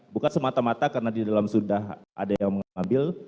bukan semata mata karena di dalam sudah ada yang mengambil